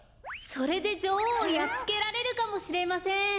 それでじょおうをやっつけられるかもしれません。